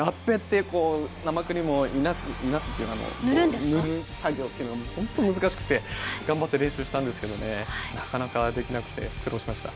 生クリームをいなす、塗る作業が本当に難しくて頑張って練習したんですけどね、なかなかできなくて苦労しました。